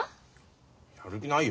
やる気ないよ